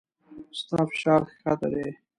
ستا فشار کښته دی